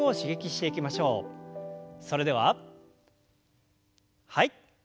それでははい。